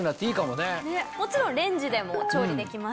もちろんレンジでも調理できますので。